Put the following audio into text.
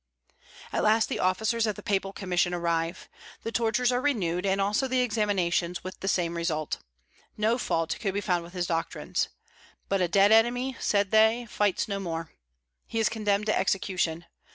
At last the officers of the papal commission arrive. The tortures are renewed, and also the examinations, with the same result. No fault could be found with his doctrines. "But a dead enemy," said they, "fights no more." He is condemned to execution.